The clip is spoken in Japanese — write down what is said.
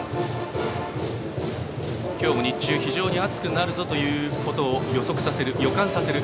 今日も日中、非常に暑くなるぞということを予感させる